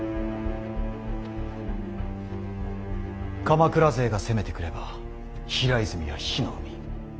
鎌倉勢が攻めてくれば平泉は火の海。